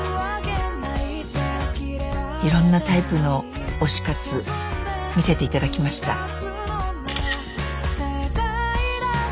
いろんなタイプの推し活見せて頂きました。